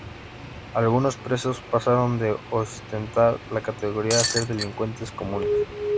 Algunos presos pasaron de ostentar la categoría a ser delincuentes comunes.